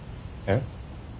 「えっ？」